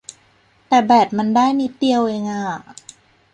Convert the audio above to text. แต่แบตมันได้นิดเดียวเองอ่า